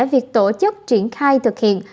việc tổ chức triển khai thực hiện